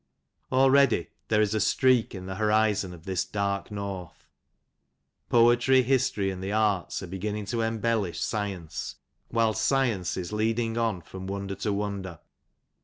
Already there is a streak in the horizon of this dark north. Poetry, history, and the arts, are beginning to embellish science, whilst science is leading on from wonder to wonder.